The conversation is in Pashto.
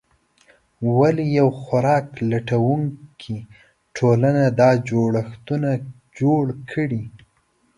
ولې یوه خوراک لټونکې ټولنه دا جوړښتونه جوړ کړي؟